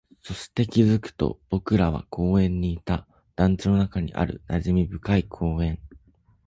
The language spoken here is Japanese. そして、気づくと僕らは公園にいた、団地の中にある馴染み深い公園